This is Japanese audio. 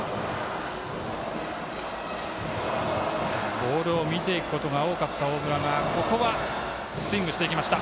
ボールを見ていくことが多かった大村がここはスイングしていきました。